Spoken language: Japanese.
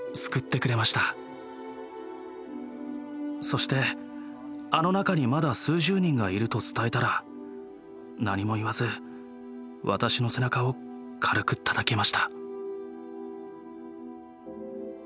そしてあの中にまだ数十人がいると伝えたら何も言わず私の背中を軽くたたきました。